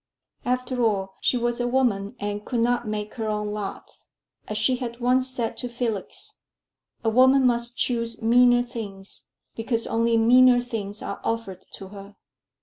After all, she was a woman, and could not make her own lot. As she had once said to Felix, "A woman must choose meaner things, because only meaner things are offered to her."